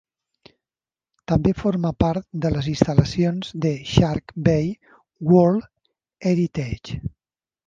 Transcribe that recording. També forma part de les instal·lacions de Shark Bay World Heritage .